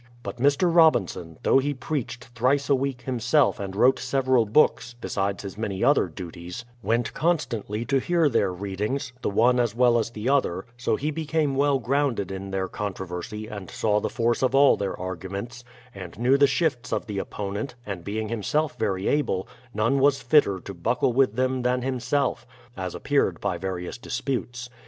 But Mr. Robinson, though he preached thrice a week him 18 BRADFORD'S HISTORY self and wrote several books, besides his many other duties, went constantly to hear their readings, the one as well as the other ; so he became well grounded in their controversy and saw the force of all their arguments, and knew the shifts of the opponent, and being himself very able, none was fitter to buckle with them than himself, — as appeared by various disputes.